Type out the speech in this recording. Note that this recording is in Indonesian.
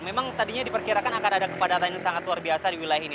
memang tadinya diperkirakan akan ada kepadatan yang sangat luar biasa di wilayah ini